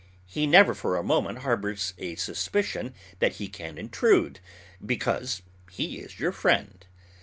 He never for a moment harbors a suspicion that he can intrude, "because he is your friend."